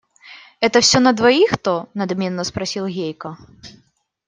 Это все на двоих-то? – надменно спросил Гейка.